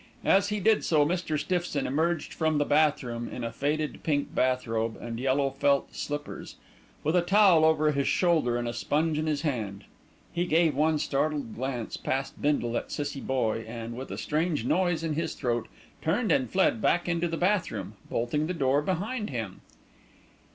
As he did so Mr. Stiffson emerged from the bathroom in a faded pink bath robe and yellow felt slippers, with a towel over his shoulder and a sponge in his hand. He gave one startled glance past Bindle at Cissie Boye and, with a strange noise in his throat, turned and fled back to the bathroom, bolting the door behind him.